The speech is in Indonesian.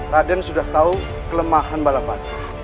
raden sudah tahu kelemahan balapan